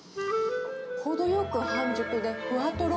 程よく半熟でふわとろ。